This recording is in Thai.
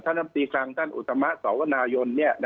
ท่านอบติครางท่านอุตสมระสวนายน